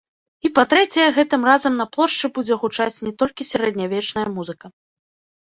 І па-трэцяе, гэтым разам на плошчы будзе гучаць не толькі сярэднявечная музыка.